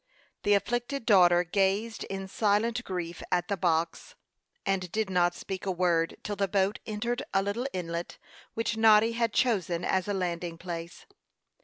The afflicted daughter gazed in silent grief at the box, and did not speak a word till the boat entered a little inlet, which Noddy had chosen as a landing place.